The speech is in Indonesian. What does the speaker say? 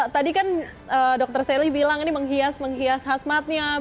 tadi kan dr sally bilang ini menghias menghias khasmatnya